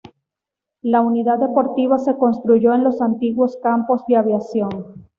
La unidad deportiva se construyó en los antiguos campos de aviación.